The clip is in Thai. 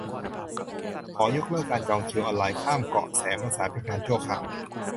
ขอยกเลิกการจองคิวออนไลน์ข้ามเกาะแสมสารเป็นการชั่วคราว